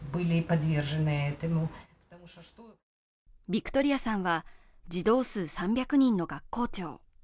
ヴィクトリアさんは児童数３００人の学校長。